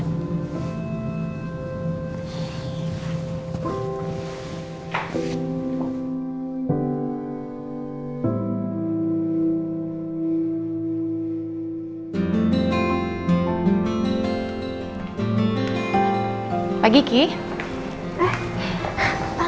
tante aku mau ke rumah